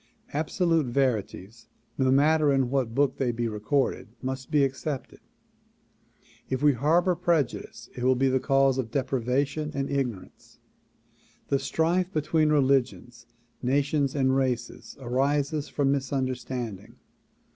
Absolute verities no matter in what book they be recorded must be ac cepted. If we harbor prejudice it will be the cause of deprivation and ignorance. The strife between religions, nations and races arises from misunderstanding.